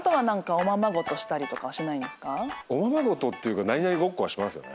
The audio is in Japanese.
おままごとっていうか何々ごっこはしますよね。